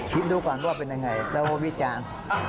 ชิมดูก่อนว่าเป็นอย่างไรเราพูดว่ามีจาน